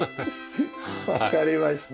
わかりました。